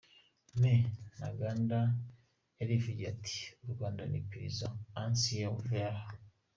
Me Ntaganda yarivugiye ati u Rwanda ni prison à ciel ouvert.